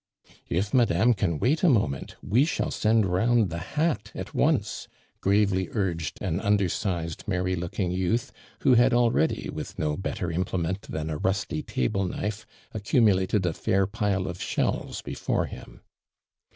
" If Madame can wait a moment, we shall send round the hat at once," gravely urged an undersized, merry looking youth, who had already, with no better implement than a nisty table knife, accumulated a fair pile of shells before him.